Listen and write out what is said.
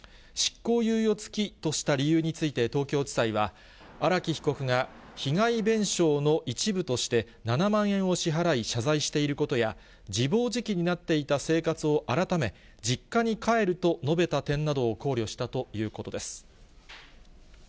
執行猶予付きとした理由について、東京地裁は、荒木被告が被害弁償の一部として、７万円を支払い、謝罪していることや、自暴自棄になっていた生活を改め、実家に帰ると述べた点などを考慮したということです。